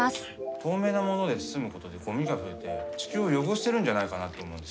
透明なもので包むことでごみが増えて地球を汚しているんじゃないかなって思うんです。